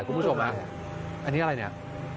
เครื่องปรับอากาศอ่ะคุณผู้ชมฮะอันนี้อะไรเนี่ย